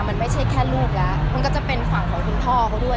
มันไม่ใช่แค่ลูกแล้วมันก็จะเป็นฝั่งของคุณพ่อเขาด้วย